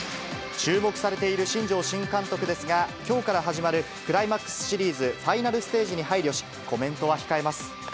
注目されている新庄新監督ですが、きょうから始まるクライマックスシリーズファイナルステージに配慮し、コメントは控えます。